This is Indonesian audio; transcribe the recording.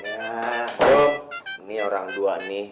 oh ini orang dua nih